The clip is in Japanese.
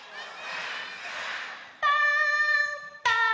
「パンパン」